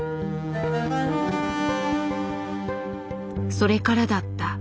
それからだった。